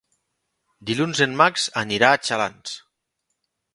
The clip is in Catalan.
Dilluns en Max anirà a Xalans.